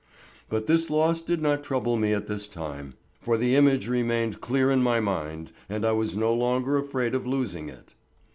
But this loss did not trouble me at this time, for the image remained clear in my mind and I was no longer afraid of losing it.